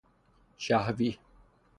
شهوی